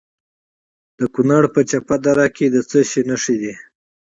د کونړ په چپه دره کې د څه شي نښې دي؟